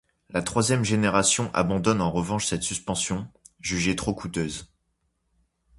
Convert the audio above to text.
La troisième génération abandonne en revanche cette suspension, jugée trop coûteuse.